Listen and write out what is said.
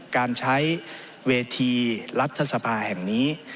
การใช้เวทีรัฐสภาแห่งนี้